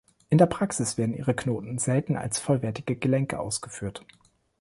In der Praxis werden ihre Knoten selten als vollwertige Gelenke ausgeführt.